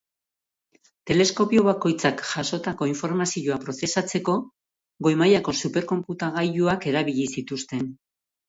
Teleskopio bakoitzak jasotako informazioa prozesatzeko goi-mailako super-konputagailuak erabili zituzten.